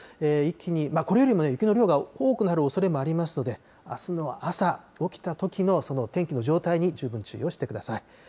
一気に、これよりも雪の量が多くなるおそれもありますので、あすの朝、起きたときの天気の状態に十分注意をしてください。